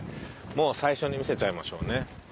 もう最初に見せちゃいましょうね。